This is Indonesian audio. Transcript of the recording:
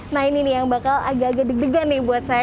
nah ini nih yang bakal agak agak deg degan nih buat saya